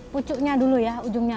pucuknya dulu ya ujungnya